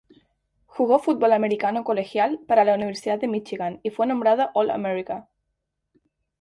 Jugó fútbol americano colegial para la Universidad de Michigan, y fue nombrado All-America.